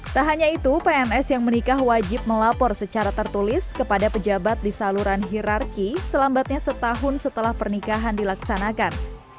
tak hanya itu pns yang menikah wajib melapor secara tertulis kepada pejabat di saluran hirarki selambatnya setahun setelah pernikahan dilaksanakan